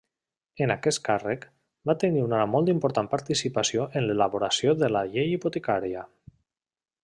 En aquest càrrec, va tenir una molt important participació en l'elaboració de la llei hipotecària.